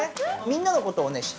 みんなのことをね